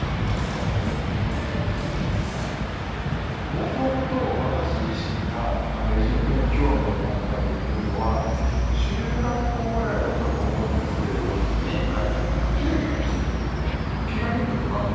もともと私自身がエジプトに興味を持ったというのは中学校ぐらいだったと思うんですけれど家に帰ったら何かテレビがついていてピラミッドの番組やってたんですよ。